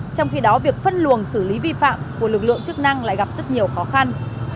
trong khi đó việc phân luồng xử lý vi phạm của lực lượng chức năng lại gặp rất nhiều khó khăn